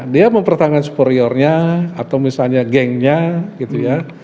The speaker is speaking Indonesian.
dia mempertahankan superiornya atau misalnya gengnya